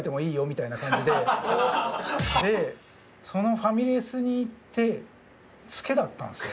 でそのファミレスに行ってツケだったんですよ